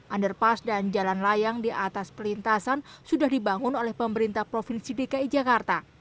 underpass dan jalan layang di atas perlintasan sudah dibangun oleh pemerintah provinsi dki jakarta